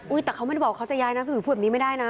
อุ๊ยแต่ก็ไม่ได้บอกว่าจะย้ายนะ